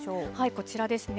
こちらですね。